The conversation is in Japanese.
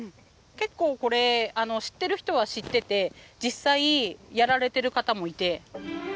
結構これ、知ってる人は知ってて、実際、やられてる方もいて。